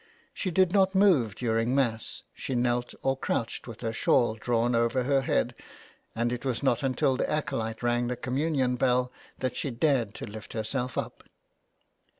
She did not move during Mass ; she knelt or crouched with her shawl drawn over her head, and it was not until the acolyte rang the communion bell that she dared to lift herself up.